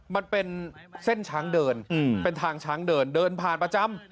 มันเป็นเส้นช้างเดินเป็นทางช้างเดินเดินผ่านประจำ